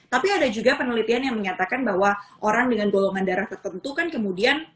tapi ada juga penelitian yang menyatakan bahwa orang dengan golongan darah tertentu kan kemudian